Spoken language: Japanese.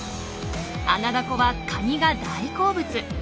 アナダコはカニが大好物。